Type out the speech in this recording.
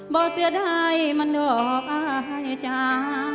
บ่เสียใดมันดอกอายจ้า